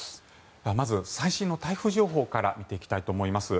まず、最新の台風情報からお伝えしたいと思います。